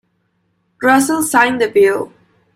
Russell signed the bill.